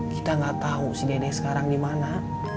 kita gak tau si dede sekarang di mana